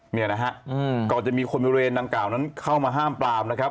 เนี่ยนะฮะก่อนจะมีคนบริเวณดังกล่าวนั้นเข้ามาห้ามปลามนะครับ